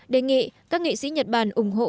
đề nghị các nghị sĩ nhật bản ủng hộ